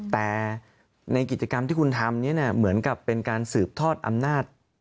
แต่ในกิจกรรมที่คุณทำนี้เหมือนกับเป็นการสืบทอดอำนาจ